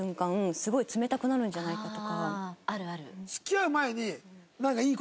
すごい冷たくなるんじゃないかとか。